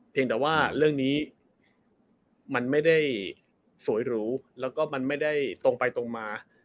แต่ว่าเรื่องนี้มันไม่ได้สวยหรูแล้วก็มันไม่ได้ตรงไปตรงมา